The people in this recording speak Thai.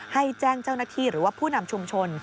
ให้แจ้งเจ้าหน้าที่หรือว่าผู้นำชุมชน